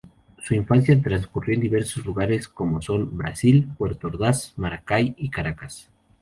Su infancia transcurrió en diversos lugares, como son Brasil, Puerto Ordaz, Maracay y Caracas.